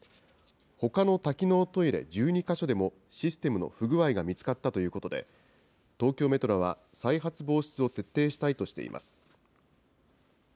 ほかの多機能トイレ１２か所でも、システムの不具合が見つかったということで、東京メトロは再発防止を徹底したいとしています。